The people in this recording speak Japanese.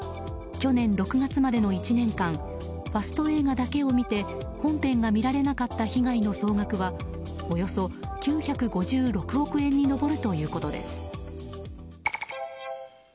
去年６月まで１年間ファスト映画だけを見て本編が見られなかった被害の総額はおよそ９５６億円に上るということです。